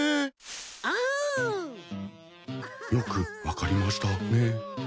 よく分かりましたね。